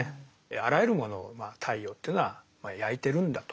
あらゆるものを太陽というのは焼いてるんだと。